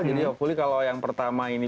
jadi hopefully kalau yang pertama ini